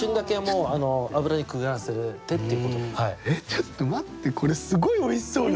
ちょっと待ってこれすごい美味しそう。